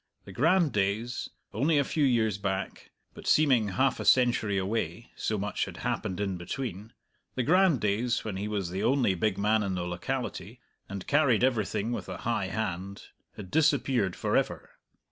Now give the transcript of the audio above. The grand days only a few years back, but seeming half a century away, so much had happened in between the grand days when he was the only big man in the locality, and carried everything with a high hand, had disappeared for ever.